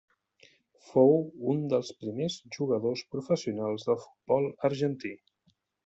Fou un dels primers jugadors professionals del futbol argentí.